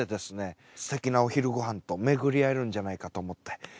すてきなお昼ご飯と巡り合えるんじゃないかと思って。